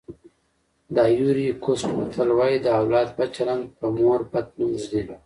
د ایوُري کوسټ متل وایي د اولاد بد چلند په مور بد نوم ږدي.